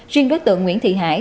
riêng đối tượng nguyễn thị hải